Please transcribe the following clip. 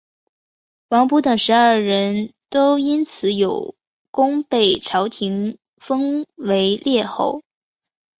王甫等十二人都因此有功被朝廷封为列侯。